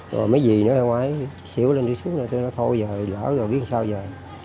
còn mấy gì nữa không ai xỉu lên đi xíu nữa tôi nói thôi rồi lỡ rồi biết làm sao giờ